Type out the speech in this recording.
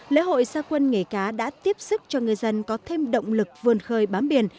lễ hội gia quân nghề cá đã tiếp sức cho ngư dân có thêm động lực vươn khơi bám biển